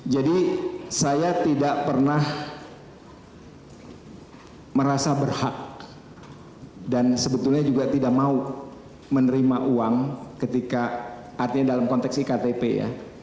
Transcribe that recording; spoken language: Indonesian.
jadi saya tidak pernah merasa berhak dan sebetulnya juga tidak mau menerima uang ketika artinya dalam konteks iktp ya